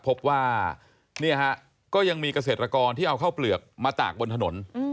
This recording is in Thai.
พบว่าเนี่ยฮะก็ยังมีเกษตรกรที่เอาข้าวเปลือกมาตากบนถนน